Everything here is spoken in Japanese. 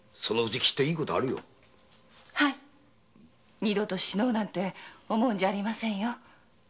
二度と死のうなんて思うんじゃありませんよ。